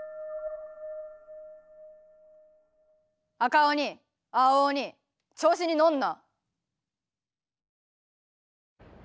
赤鬼青鬼調子に乗んな。